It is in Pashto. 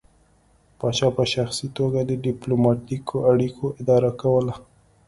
پاچا په شخصي توګه د ډیپلوماتیکو اړیکو اداره کوله